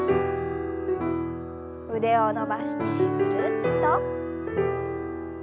腕を伸ばしてぐるっと。